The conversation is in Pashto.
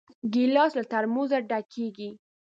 ګیلاس له ترموزه ډک کېږي.